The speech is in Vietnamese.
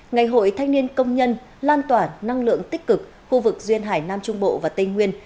ngày hội thanh niên công nhân lan tỏa năng lượng tích cực khu vực duyên hải nam trung bộ và tây nguyên